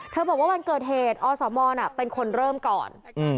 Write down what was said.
บอกว่าวันเกิดเหตุอสมเป็นคนเริ่มก่อน